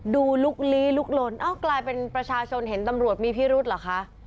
ลุกลี้ลุกลนเอ้ากลายเป็นประชาชนเห็นตำรวจมีพิรุษเหรอคะ